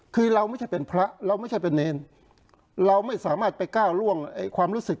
คือเราไม่ใช่เป็นพระเราไม่ใช่เป็นเนรเราไม่สามารถไปก้าวล่วงความรู้สึก